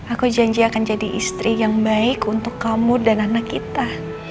aku janji akan jadi istri yang baik untuk kamu dan anak kita